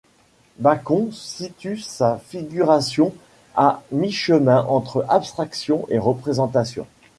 Bacon situe sa figuration à mi-chemin entre abstraction et représentation.